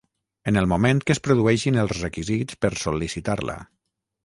En el moment que es produeixin els requisits per sol·licitar-la.